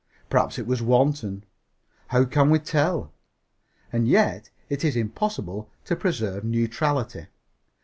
Perhaps it was wanton. How can we tell? And yet, it is impossible to preserve neutrality.